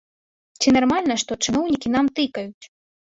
Ці нармальна, што чыноўнікі нам тыкаюць?